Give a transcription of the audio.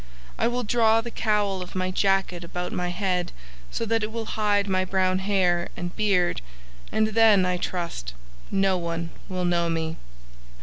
I will draw the cowl of my jacket about my head so that it will hide my brown hair and beard, and then, I trust, no one will know me."